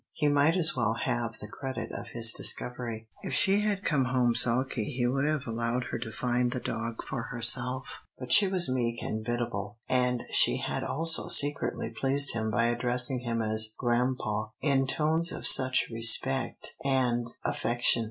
He might as well have the credit of his discovery. If she had come home sulky he would have allowed her to find the dog for herself, but she was meek and biddable, and she had also secretly pleased him by addressing him as "grampa," in tones of such respect and affection.